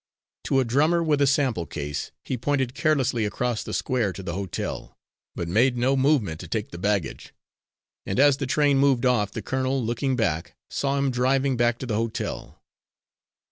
To a drummer with a sample case, he pointed carelessly across the square to the hotel, but made no movement to take the baggage; and as the train moved off, the colonel, looking back, saw him driving back to the hotel.